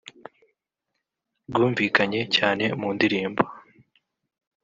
rwumvikanye cyane mu ndirimbo